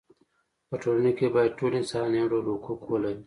په ټولنه کې باید ټول انسانان یو ډول حقوق ولري.